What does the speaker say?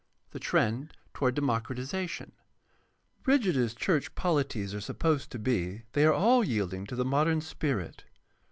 The trend toward democratization. — Rigid as church poHties are supposed to be, they are all yielding to the modem spirit.